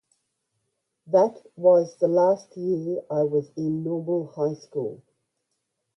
That was the last year I was in normal high school.